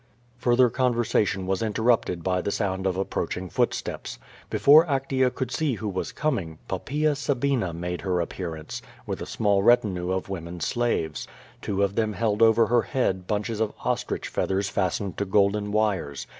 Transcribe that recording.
Further conversation was interrupted by the sound of ap 82 Q^O VADTS. preaching footsteps. Before Actea could see who was coming, Poppaea Sabina made her appearance, with a small retinue of women slaves. Two of them held over her head bunches of ostrich feathers fastened to golden wires.